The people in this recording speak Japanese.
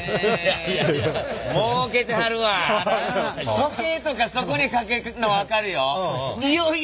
時計とかそこにかけるのは分かるよ。